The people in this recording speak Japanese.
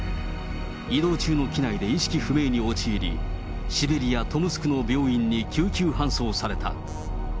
移動中の機内で意識不明に陥り、シベリア・トムスクの病院に救急搬送された。